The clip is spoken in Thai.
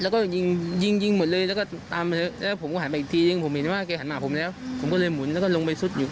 ก็เลยหมุนแล้วก็ลงไปสุดอยู่